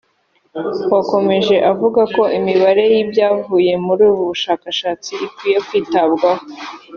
wakomeje avuga ko imibare y’ibyavuye muri ubu bushakashatsi ikwiye kwitabwaho